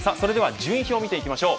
順位表見ていきましょう。